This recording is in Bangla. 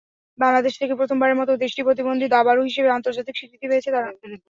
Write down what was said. বাংলাদেশ থেকে প্রথমবারের মতো দৃষ্টিপ্রতিবন্ধী দাবাড়ু হিসেবে আন্তর্জাতিক স্বীকৃতি পেয়েছে তারা।